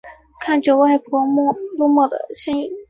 看着外婆落寞的身影